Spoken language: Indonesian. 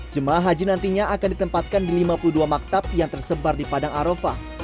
jemaah haji nantinya akan ditempatkan di lima puluh dua maktab yang tersebar di padang arofah